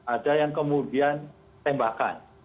ada yang kemudian tembakan